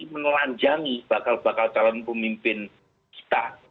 menelanjangi bakal bakal calon pemimpin kita